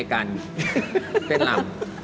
ขอบคุณครับ